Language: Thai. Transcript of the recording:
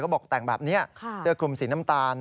บอกแต่งแบบนี้เสื้อคลุมสีน้ำตาล